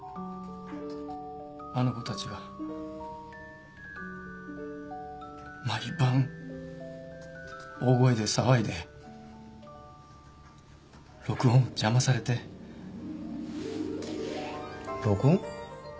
あの子たちは毎晩大声で騒いで録音邪魔されて録音？